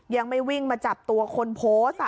ยังไม่วิ่งมาจับตัวคนโพสต์